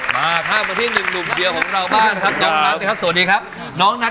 มาถ้าเวอร์ที่๑เดียวคนเรามีบ้าน